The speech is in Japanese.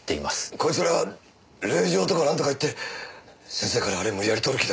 こいつら令状とかなんとか言って先生からあれ無理やり取る気だ。